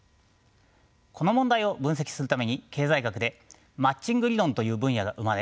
この問題を分析するために経済学でマッチング理論という分野が生まれ